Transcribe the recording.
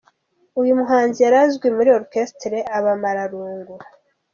Uyu muhanzi yari azwi muri Orchestre Abamararungu.